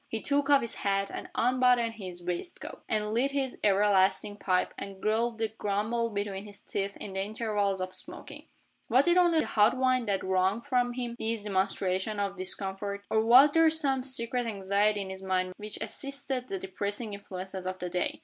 He took off his hat, and unbuttoned his waistcoat, and lit his everlasting pipe, and growled and grumbled between his teeth in the intervals of smoking. Was it only the hot wind that wrung from him these demonstrations of discomfort? Or was there some secret anxiety in his mind which assisted the depressing influences of the day?